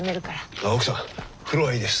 あ奥さん風呂はいいです。